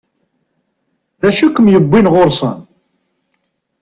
D acu i kem-yewwin ɣur-sen?